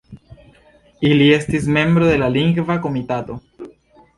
Li estis membro de la Lingva Komitato.